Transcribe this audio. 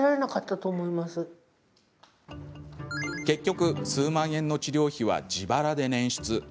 結局、数万円の治療費は自腹で捻出。